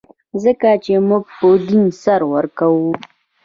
ځکه چې موږ په دین سر ورکوو.